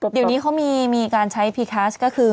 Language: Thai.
เดี๋ยวนี้เขามีการใช้พีคัสก็คือ